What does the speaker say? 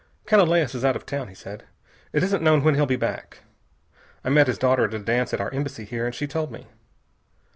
"Canalejas is out of town," he said. "It isn't known when he'll be back. I met his daughter at a dance at our Embassy here, and she told me.